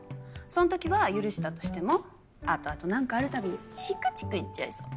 そんときは許したとしても後々何かあるたびにチクチク言っちゃいそう。